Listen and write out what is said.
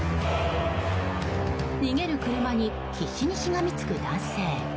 逃げる車に必死にしがみつく男性。